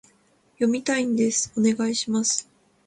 読みたいんです、お願いします